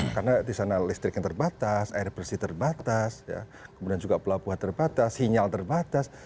karena di sana listrik yang terbatas air bersih terbatas kemudian juga pelabuhan terbatas sinyal terbatas